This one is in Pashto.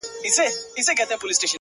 ستا د خولې سلام مي د زړه ور مات كړ؛